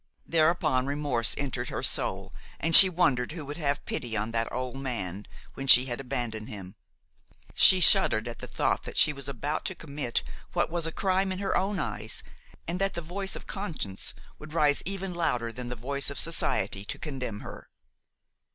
Thereupon remorse entered her soul and she wondered who would have pity on that old man when she had abandoned him. She shuddered at the thought that she was about to commit what was a crime in her own eyes, and that the voice of conscience would rise even louder than the voice of society, to condemn her.